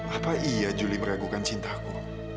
apa iya juli meragukan cintaku